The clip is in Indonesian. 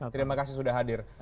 terima kasih sudah hadir